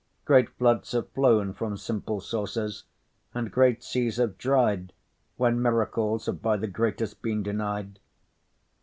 Great floods have flown From simple sources, and great seas have dried When miracles have by the great'st been denied.